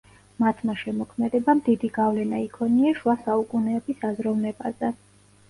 მათმა შემოქმედებამ დიდი გავლენა იქონია შუა საუკუნეების აზროვნებაზე.